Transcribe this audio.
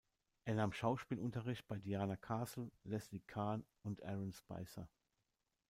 Er nahm Schauspielunterricht bei Diana Castle, Leslie Kahn und Aaron Speiser.